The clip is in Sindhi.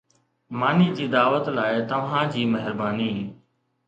ماني جي دعوت لاءِ توهان جي مهرباني